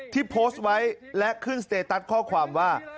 ที่โพสต์ไว้และขึ้นสเตตัสข้อความว่า